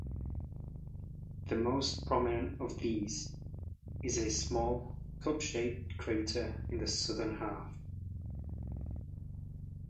The most prominent of these is a small, cup-shaped crater in the southern half.